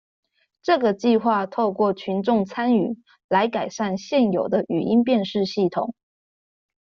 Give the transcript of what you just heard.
這個計畫透過群眾參與，來改善現有的語音辨識系統